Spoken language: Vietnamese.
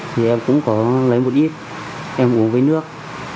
thì em cũng có lấy một ít em uống với nước